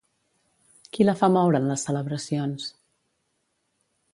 Qui la fa moure en les celebracions?